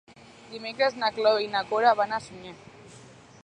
Dimecres na Cloè i na Cora van a Sunyer.